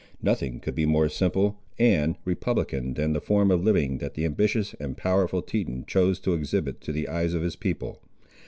Nothing could be more simple and republican than the form of living that the ambitious and powerful Teton chose to exhibit to the eyes of his people.